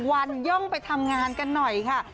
วันย่องไปทำงานกันหน่อยค่ะ